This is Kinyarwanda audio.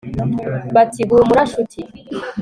bati humura nshuti